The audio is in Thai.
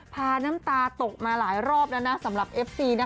น้ำตาตกมาหลายรอบแล้วนะสำหรับเอฟซีนะคะ